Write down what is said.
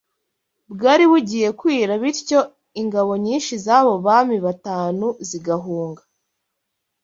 Bwari bugiye kwira bityo ingabo nyinshi z’abo bami batanu zigahunga